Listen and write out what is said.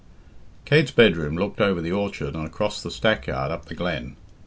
Kate's bedroom looked over the orchard and across the stackyard up the glen.